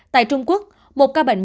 tại trung quốc một ca bệnh